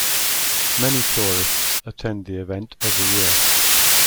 Many tourists attend the event every year.